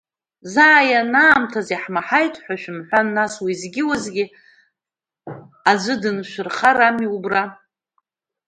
Заа, ианаамҭаз иаҳмаҳаит ҳәа шәымҳәан нас, уеизгьы-уеизгьы аӡә дыншәырхар ами убра?